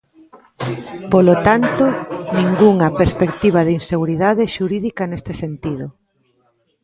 Polo tanto, ningunha perspectiva de inseguridade xurídica neste sentido.